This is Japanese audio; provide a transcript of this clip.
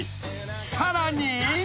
［さらに］